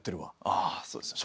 ああそうですよね。